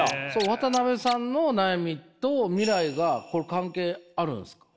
渡辺さんの悩みと未来がこれ関係あるんすか？